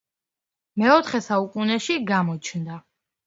მეოთხე საუკუნეში გამოჩნდა.